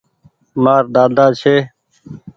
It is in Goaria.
مآر ۮاۮا ڇي۔